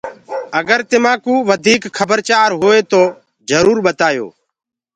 اگر تمآنٚ ڪوُ وڌيٚڪ کبر چآر هوئي تو جرور ٻتآيو